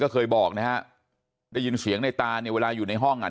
เคยบอกนะฮะได้ยินเสียงในตาเนี่ยเวลาอยู่ในห้องอ่ะ